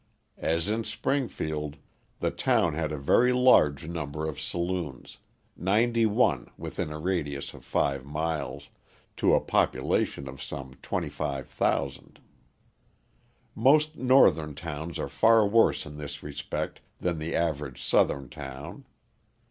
As in Springfield, the town had a very large number of saloons, ninety one within a radius of five miles, to a population of some 25,000. Most Northern towns are far worse in this respect than the average Southern town.